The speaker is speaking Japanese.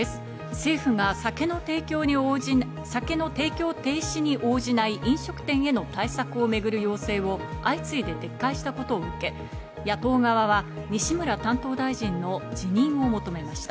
政府が酒の提供停止に応じない飲食店への対策をめぐる要請を相次いで撤回したことを受け、野党側は西村担当大臣の辞任を求めました。